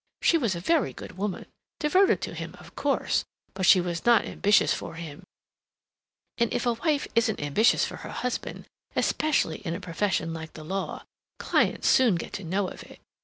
She was a very good woman, devoted to him, of course, but she was not ambitious for him, and if a wife isn't ambitious for her husband, especially in a profession like the law, clients soon get to know of it.